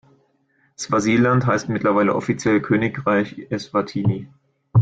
Swasiland heißt mittlerweile offiziell Königreich Eswatini.